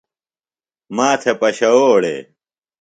ماتھےۡ پشووڑے؟